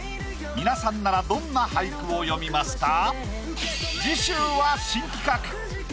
皆さんならどんな俳句を詠みますか？